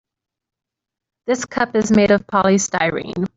This cup is made of polystyrene.